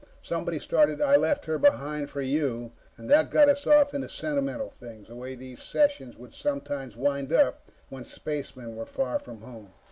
Somebody started "I Left Her Behind For You," and that got us off into sentimental things, the way these sessions would sometimes wind up when spacemen were far from home.